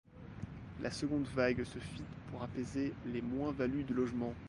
La seconde vague se fit pour apaiser les moins-values du logement.